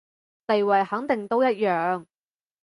地位肯定都一樣